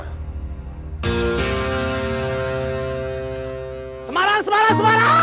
semarang semarang semarang